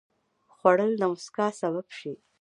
خوړل د مسکا سبب شي